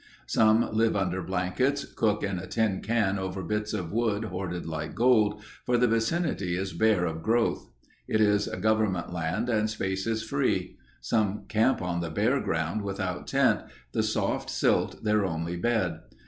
Some live under blankets, cook in a tin can over bits of wood hoarded like gold, for the vicinity is bare of growth. It is government land and space is free. Some camp on the bare ground without tent, the soft silt their only bed.